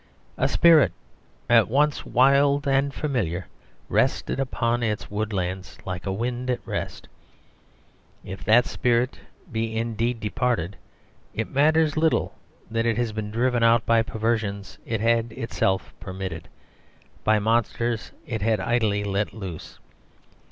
A spirit at once wild and familiar rested upon its wood lands like a wind at rest. If that spirit be indeed departed, it matters little that it has been driven out by perversions it had itself permitted, by monsters it had idly let loose.